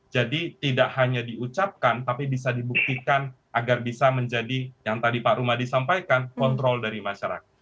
jadi tidak hanya diucapkan tapi bisa dibuktikan agar bisa menjadi yang tadi pak rumadi sampaikan kontrol dari masyarakat